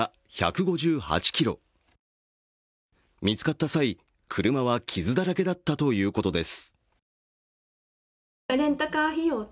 スピード表示は１５８キロ、見つかった際、車は傷だらけだったということです。